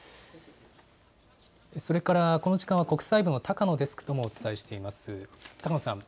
それから、この時間は国際部の高野デスクともお伝えしています。